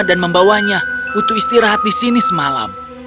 dan membawanya butuh istirahat di sini semalam